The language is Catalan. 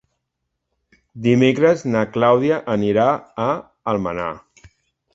Dimecres na Clàudia anirà a Almenar.